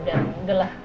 dan udah lah